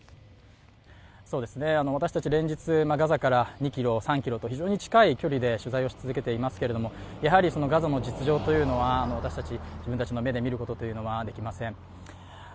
私たち、連日ガザから２３ｋｍと非常に近い距離で取材を続けていますけれどもガザの実情というのは私たち、自分たちの目で見ることというのはできません。